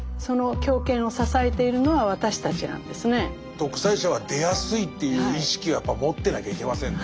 独裁者は出やすいという意識はやっぱ持ってなきゃいけませんね。